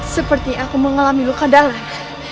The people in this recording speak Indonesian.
seperti aku mengalami luka dalam